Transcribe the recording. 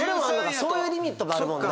そういうリミットがあるもんな。